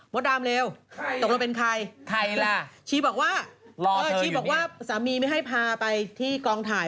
ดามเร็วตกลงเป็นใครใครล่ะชีบอกว่าชีบอกว่าสามีไม่ให้พาไปที่กองถ่าย